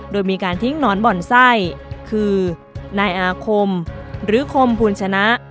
โดยมีการทิ้งหนอนบ่อนไส้คือนายอาคมหรือคมภูลชนะ